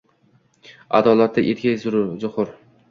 Аdolatda etgay zuhur.